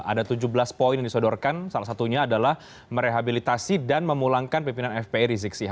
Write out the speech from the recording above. ada tujuh belas poin yang disodorkan salah satunya adalah merehabilitasi dan memulangkan pimpinan fpi rizik sihab